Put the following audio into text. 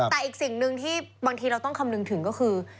แต่อีกสิ่งหนึ่งที่บางทีเราต้องคำนึงถึงก็คือ